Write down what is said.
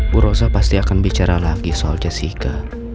bu rosa pasti akan bicara lagi soal jessica